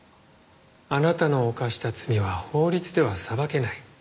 あなたの犯した罪は法律では裁けない。